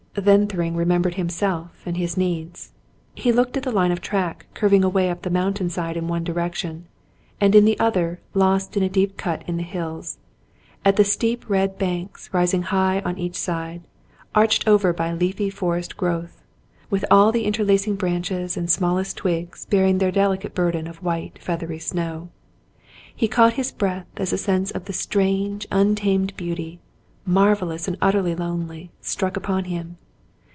Then Thryng remembered himself and his needs. He looked at the line of track curving away up the mountain side in one direction, and in the other lost in a deep cut in the hills ; at the steep red banks rising high on each side, arched over by leafy forest growth, with all the in terlacing branches and smallest twigs bearing their deli cate burden of white, feathery snow. He caught his breath as a sense of the strange, untamed beauty, mar vellous and utterly lonely, struck upon him.